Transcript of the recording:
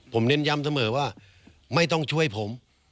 ผมเน้นย้ำเสมอว่าไม่ต้องช่วยผม